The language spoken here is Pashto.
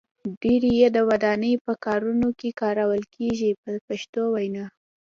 ډیری یې د ودانۍ په کارونو کې کارول کېږي په پښتو وینا.